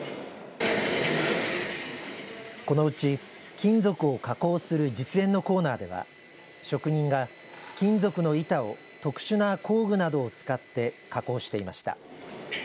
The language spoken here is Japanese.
このうち金属を加工する実演のコーナーでは職人が金属の板を特殊な工具などを使って加工していました。